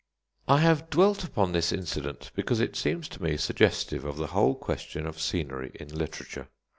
I have dwelt upon this incident, because it seems to me suggestive of the whole question of scenery in literature.